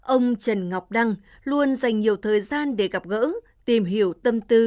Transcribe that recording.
ông trần ngọc đăng luôn dành nhiều thời gian để gặp gỡ tìm hiểu tâm tư